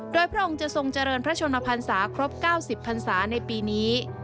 โดยพระองค์จะทรงเจริญพระชนมพันศาครบ๙๐พันศาในปีนี้